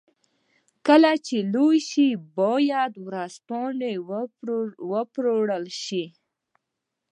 کله چې لوی شي بايد ورځپاڼې وپلورلای شي.